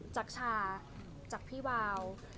จากชาจากพี่วาว